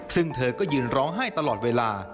ซึ่งเธอก็ยืนร้องไห้ตลอดเวลา